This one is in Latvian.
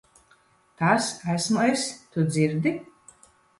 Tas esmu es. Tu dzirdi?